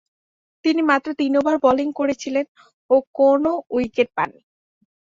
তিনি মাত্র তিন ওভার বোলিং করেছিলেন ও কোন উইকেট পাননি।